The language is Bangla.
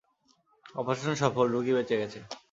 অপারেশন সফল, রোগী বেঁচে গেছে।